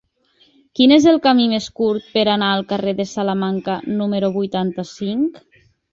Quin és el camí més curt per anar al carrer de Salamanca número vuitanta-cinc?